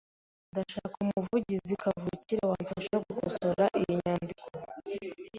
Ndashaka umuvugizi kavukire wamfasha gukosora iyi nyandiko.